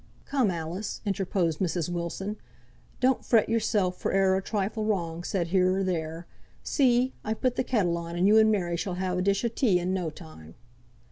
"Come, Alice," interposed Mrs. Wilson, "don't fret yoursel for e'er a trifle wrong said here or there. See! I've put th' kettle on, and you and Mary shall ha' a dish o' tea in no time."